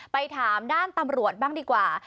ไปถามด้านตำรวจบ้างดีกว่า